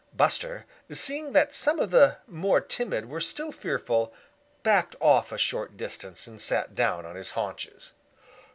Buster, seeing that some of the more timid were still fearful, backed off a short distance and sat down on his haunches.